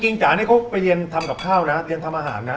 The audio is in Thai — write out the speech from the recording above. จ๋านี่เขาไปเรียนทำกับข้าวนะเรียนทำอาหารนะ